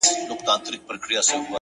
هر منزل نوی لید درکوي’